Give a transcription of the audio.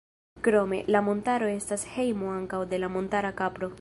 Krome, la montaro estas hejmo ankaŭ de la montara kapro.